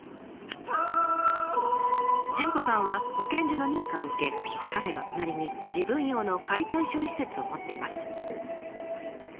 潤子さんは保健所の認可を受けカフェの隣に自分用の解体処理施設を持っています。